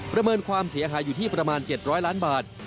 เมินความเสียหายอยู่ที่ประมาณ๗๐๐ล้านบาท